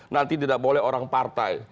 nanti tidak boleh orang partai